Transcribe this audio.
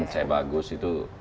saya bagus itu